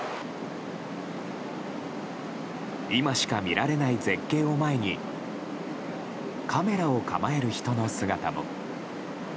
今しか見られない絶景を前にカメラを構える人の姿も。